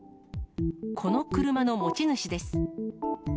この車の持ち主です。